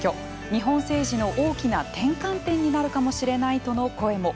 日本政治の大きな転換点になるかもしれないとの声も。